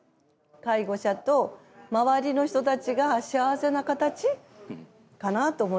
介護者と周りの人たちが幸せな形かなと思ってます。